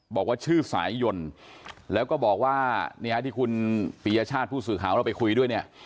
บอกว่าชื่อสายยนต์แล้วก็บอกว่าเนี่ยที่คุณปียชาติผู้สื่อข่าวเราไปคุยด้วยเนี่ย